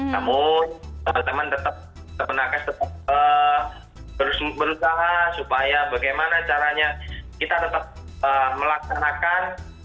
namun teman teman tetap menakes tetap berusaha supaya bagaimana caranya kita tetap melaksanakan